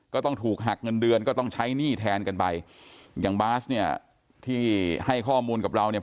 ก็ต้องถูกหักเงินเดือนก็ต้องใช้หนี้แทนกันไปอย่างบาสเนี่ยที่ให้ข้อมูลกับเราเนี่ย